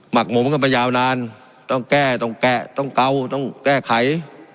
หักหมมกันไปยาวนานต้องแก้ต้องแก้ต้องเกาต้องแก้ไข